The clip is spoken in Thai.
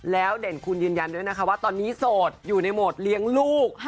แล้วเด่นคุณยืนยันด้วยนะคะว่าตอนนี้โสดอยู่ในโหมดเลี้ยงลูก